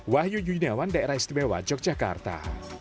wahyu juniawan daerah istimewa yogyakarta